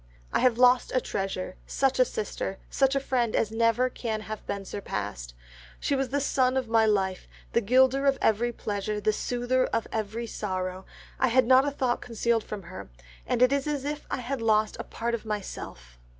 "I have lost a treasure, such a sister, such a friend as never can have been surpassed. She was the sun of my life, the gilder of every pleasure, the soother of every sorrow, I had not a thought concealed from her, and it is as if I had lost a part of myself.